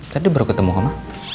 tadi baru ketemu ma